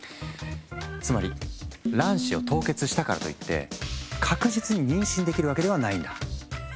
つまり卵子を凍結したからといって確実に妊娠できるわけではないんだ。